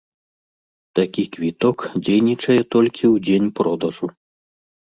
Такі квіток дзейнічае толькі ў дзень продажу.